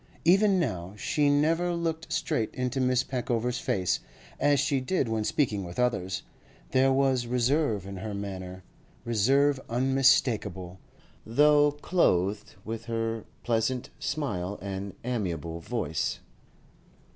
Even now she never looked straight into Miss Peckover's face, as she did when speaking with others; there was reserve in her manner, reserve unmistakable, though clothed with her pleasant smile and amiable voice.